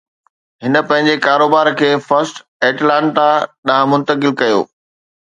هن پنهنجي ڪاروبار کي فرسٽ ائٽلانتا ڏانهن منتقل ڪيو